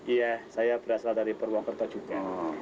iya saya berasal dari purwokerto juga